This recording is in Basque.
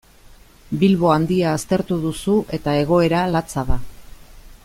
Bilbo Handia aztertu duzu eta egoera latza da.